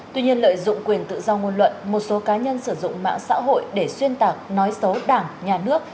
tuy nhiên lợi dụng quyền tự do ngôn luận một số cá nhân sử dụng mạng xã hội để xuyên tạc nói xấu đảng nhà nước